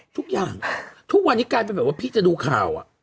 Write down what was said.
ทุกอย่างทุกวันนี้กลายเป็นแบบว่าพี่จะดูข่าว